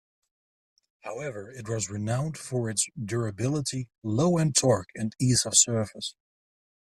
However, it was renowned for its durability, low end torque, and ease of service.